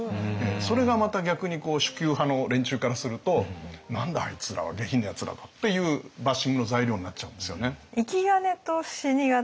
それがまた逆に守旧派の連中からすると「何だあいつらは下品なやつらだ」っていうバッシングの材料になっちゃうんですよね。